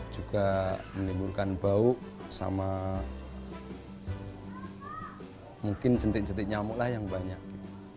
juga menimbulkan bau sama mungkin jentik jentik nyamuk lah yang banyak